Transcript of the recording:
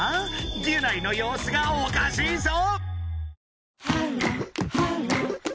ギュナイのようすがおかしいぞ？